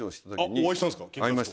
お会いしたんですか。